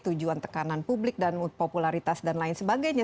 tujuan tekanan publik dan popularitas dan lain sebagainya